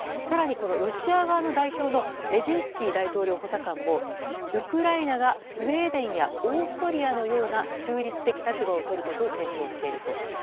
更に、ロシア側の代表のメジンスキー大統領補佐官もウクライナがスウェーデンやオーストリアのような中立的立場を取ることを検討していると。